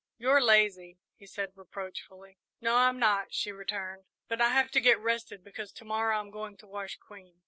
"You're lazy," he said reproachfully. "No, I'm not," she returned; "but I have to get rested, because to morrow I'm going to wash Queen."